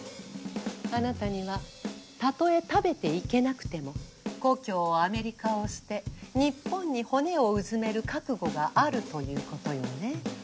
あなたにはたとえ食べていけなくても故郷アメリカを捨て日本に骨をうずめる覚悟があるということよね？